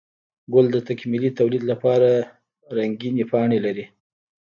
گل د تکميلي توليد لپاره رنګينې پاڼې لري